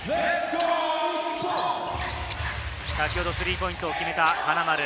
先ほどスリーポイントを決めた金丸。